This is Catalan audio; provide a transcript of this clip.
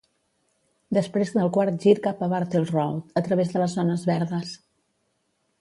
Després del quart gir cap a Bartels Road, a través de les zones verdes.